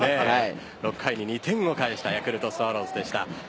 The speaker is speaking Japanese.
６回に２点を返したヤクルトスワローズでした。